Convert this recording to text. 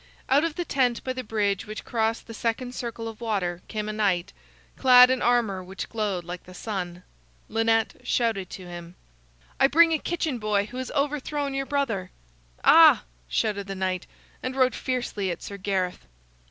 Out of the tent by the bridge which crossed the second circle of water, came a knight, clad in armor which glowed like the sun. Lynette shouted to him: "I bring a kitchen boy who has overthrown your brother." "Ah!" shouted the knight, and rode fiercely at Sir Gareth.